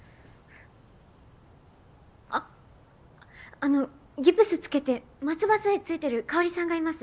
あのギプスつけて松葉杖ついてる香さんがいます。